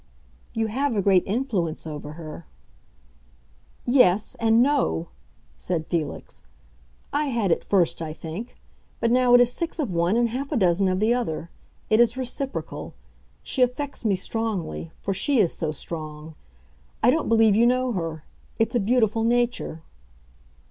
"You have a great influence over her." "Yes—and no!" said Felix. "I had at first, I think; but now it is six of one and half a dozen of the other; it is reciprocal. She affects me strongly—for she is so strong. I don't believe you know her; it's a beautiful nature."